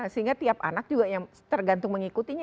sehingga tiap anak juga yang tergantung mengikutinya